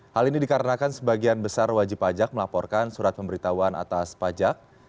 hal ini dikarenakan sebagian besar wajib pajak melaporkan surat pemberitahuan atas pajak